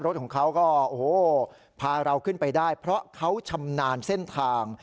รถของเขาก็โอ้โหพาเราขึ้นไปได้เพราะเขาชำนาญเส้นทาง